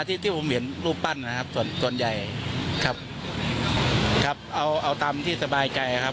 ที่ผมเห็นรูปปั้นนะครับส่วนใหญ่เอาตามที่สบายใจครับ